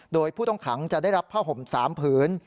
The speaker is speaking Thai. โดยผู้ต้องขังจะได้รับผ้าห่ม๓ผืน